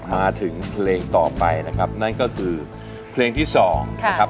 มาถึงเพลงต่อไปนะครับนั่นก็คือเพลงที่สองนะครับ